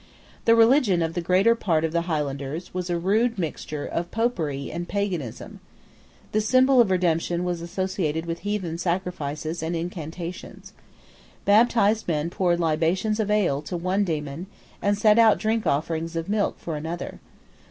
The religion of the greater part of the Highlands was a rude mixture of Popery and Paganism. The symbol of redemption was associated with heathen sacrifices and incantations. Baptized men poured libations of ale to one Daemon, and set out drink offerings of milk for another.